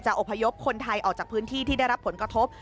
อบพยพคนไทยออกจากพื้นที่ที่ได้รับผลกระทบ